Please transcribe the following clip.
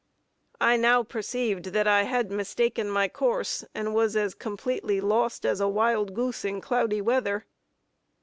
I now perceived that I had mistaken my course, and was as completely lost as a wild goose in cloudy weather.